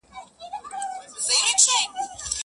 له مشرقه تر مغربه له شماله تر جنوبه-